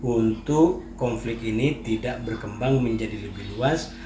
untuk konflik ini tidak berkembang menjadi lebih luas